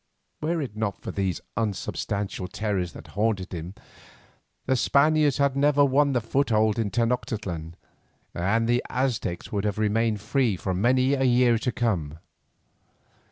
Were it not for these unsubstantial terrors that haunted him, the Spaniards had never won a foothold in Tenoctitlan, and the Aztecs would have remained free for many a year to come.